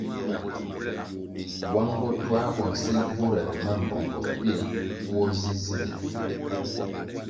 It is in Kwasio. Bwang botuā bo nsil bvurere mambpongo pilʼ bvuo zi zinde.